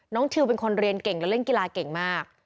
ทิวเป็นคนเรียนเก่งและเล่นกีฬาเก่งมาก